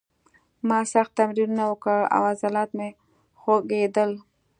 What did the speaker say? ما سخت تمرینونه وکړل او عضلات مې خوږېدل